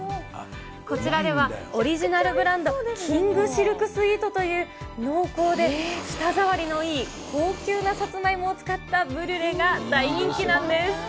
こちらではオリジナルブランド、キングシルクスイートという濃厚で舌触りのいい、高級なさつまいもを使ったブリュレが大人気なんです。